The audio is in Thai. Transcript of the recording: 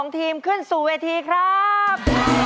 ๒ทีมขึ้นสู่เวทีครับ